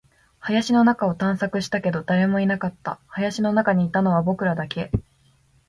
林の中を探索したけど、誰もいなかった。林の中にいたのは僕らだけ。